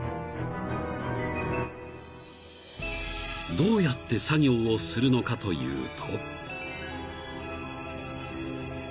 ［どうやって作業をするのかというと］